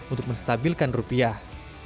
untuk menstabilkan rupiah